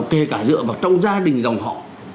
kể cả dựa vào trong gia đình dòng họ